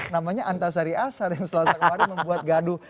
namanya antasari asar yang selasa kemarin membuat gaduh